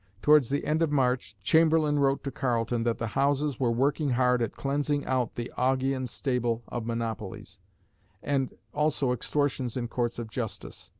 Towards the end of March, Chamberlain wrote to Carleton that "the Houses were working hard at cleansing out the Augæan stable of monopolies, and also extortions in Courts of Justice.